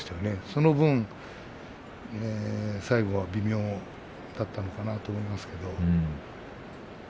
その分、最後は微妙だったのかなと思います。